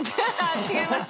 違いました？